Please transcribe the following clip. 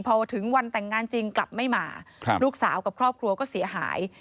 พอถึงวันแต่งงานจริงกลับไม่มาลูกสาวกับครอบครัวก็เสียหาย